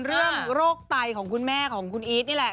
โรคไตของคุณแม่ของคุณอีทนี่แหละ